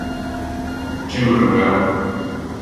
¿Chí mu rewéo?